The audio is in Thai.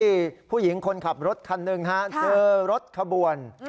ผู้หญิงคนขับรถคันหนึ่งฮะเจอรถขบวน